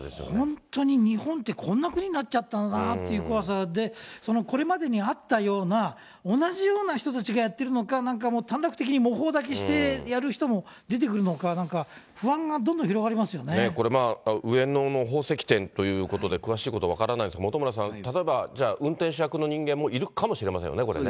本当に日本って、こんな国になっちゃったんだなという怖さで、これまでにあったような同じような人たちがやってるのか、なんかもう短絡的に模倣だけしてやる人も出てくるのか、なんか不これ、上野の宝石店ということで、詳しいことは分からないですけど、本村さん、例えばじゃあ、運転手役の人間もいるかもしれませんよね、これね。